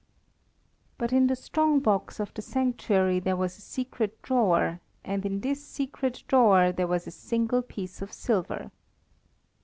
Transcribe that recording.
But in the strong box of the sanctuary there was a secret drawer, and in this secret drawer there was a single piece of silver.